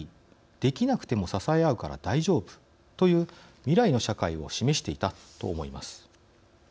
「できなくても支えあうから大丈夫」という未来の社会を示していたと思います。